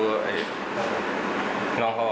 เพราะว่าอยากดูน้องข้อครับ